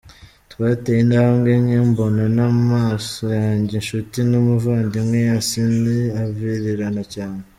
Twateye intambwe nke, mbona n’amaso yanjye inshuti n’umuvandimwe Yasin avirirana cyane.